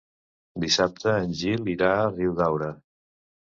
Dissabte en Gil irà a Riudaura.